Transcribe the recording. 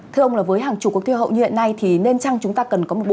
thưa ông là với hàng chủ quốc kia hậu như hiện nay thì nên chăng chúng ta cần có một bộ